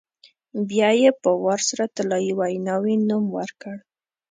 بیا یې په وار سره طلایي ویناوی نوم ورکړ.